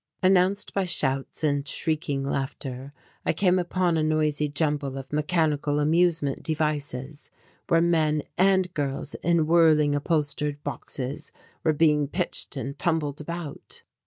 Announced by shouts and shrieking laughter I came upon a noisy jumble of mechanical amusement devices where men and girls in whirling upholstered boxes were being pitched and tumbled about.